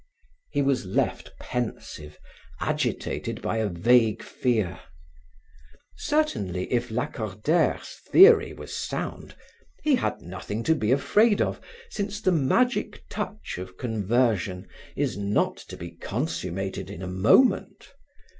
He was left pensive, agitated by a vague fear. Certainly, if Lacordaire's theory were sound, he had nothing to be afraid of, since the magic touch of conversion is not to be consummated in a moment.